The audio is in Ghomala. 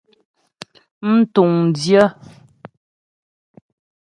Mtuŋdyə́.